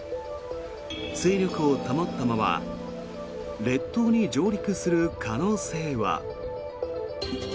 勢力を保ったまま列島に上陸する可能性は。